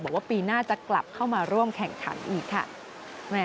บอกว่าปีหน้าจะกลับเข้ามาร่วมแข่งขันอีกค่ะ